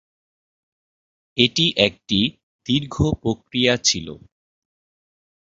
এটি একটি দীর্ঘ প্রক্রিয়া ছিল।